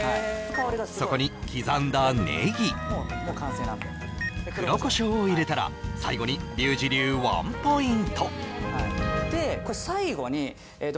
そこに刻んだネギもう完成なんで黒コショウを入れたら最後にリュウジ流ワンポイントでこれ最後にええと